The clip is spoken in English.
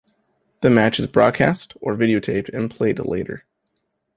The match is broadcast, or videotaped and played later.